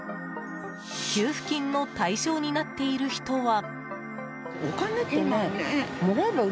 給付金の対象になっている人は。